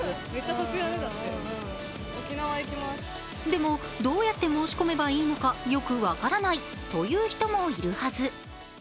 でも、どうやって申し込めばいいかよく分からないという人もいるはず。